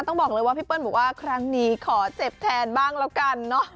ต้องบอกเลยว่าพี่เปิ้ลบอกว่าครั้งนี้ขอเจ็บแทนบ้างแล้วกันเนอะ